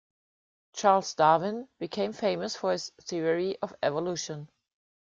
Charles Darwin became famous for his theory of evolution.